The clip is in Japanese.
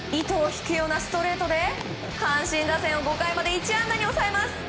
糸を引くようなストレートで阪神打線を５回まで１安打に抑えます。